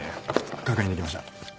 確認できました。